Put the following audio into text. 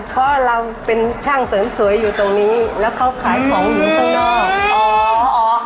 เพราะเราเป็นช่างเสริมสวยอยู่ตรงนี้แล้วเขาขายของอยู่ข้างนอกอ๋อ